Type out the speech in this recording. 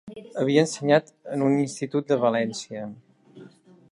Havia ensenyat en un institut de València.